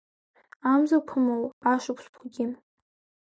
Амзақәа-моу ашықәсқәагьы…